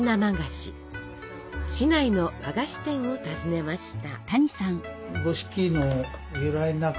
市内の和菓子店を訪ねました。